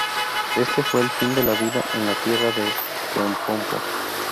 Éste fue el fin de la vida en la tierra de Teopompo.